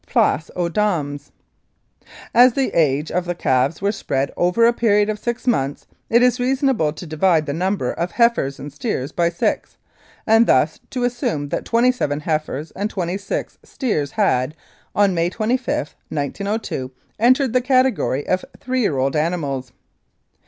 Place aux dames ! "As the ages of the calves were spread over a period of six months, it is reasonable to divide the number of heifers and steers by six, and thus to assume that twenty seven heifers and twenty six steers had, on May 25, 1902, entered the category of three year old animals.